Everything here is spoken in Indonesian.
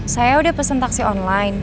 saya udah pesan taksi online